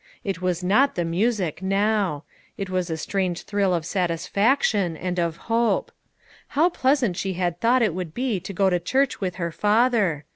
It was not the music, now ; it was a strange thrill of satisfaction, and of hope. How pleasant she had thought it would be to go to church with her father.